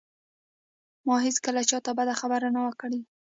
ما هېڅکله چاته بده خبره نه وه کړې